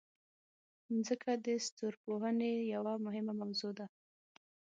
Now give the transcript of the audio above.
مځکه د ستورپوهنې یوه مهمه موضوع ده.